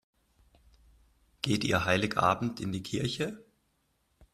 Geht ihr Heiligabend in die Kirche?